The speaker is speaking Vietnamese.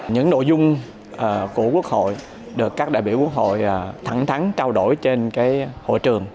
những nội dung của quốc hội được các đại biểu quốc hội thẳng thắn trao đổi trên hội trường